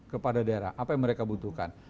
kepada daerah apa yang mereka butuhkan